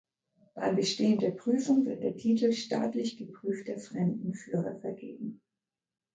Beim Bestehen der Prüfung wird der Titel „Staatlich geprüfter Fremdenführer“ vergeben.